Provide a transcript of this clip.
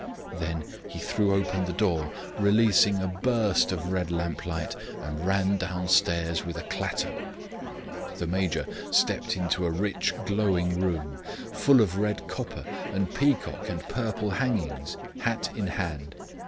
Then he threw open the door, releasing a burst of red lamplight, and ran downstairs with a clatter. The Major stepped into a rich, glowing room, full of red copper, and peacock and purple hangings, hat in hand.